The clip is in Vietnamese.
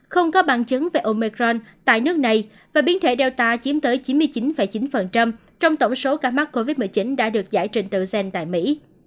không có bằng chứng về omecron tại nước này và biến thể data chiếm tới chín mươi chín chín trong tổng số ca mắc covid một mươi chín đã được giải trình tự gen tại mỹ